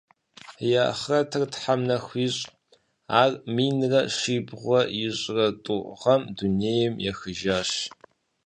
И ахърэтыр Тхьэм нэху ищӏ, ар минрэ щибгъурэ ищӏрэ тӏу гъэм дунейм ехыжащ.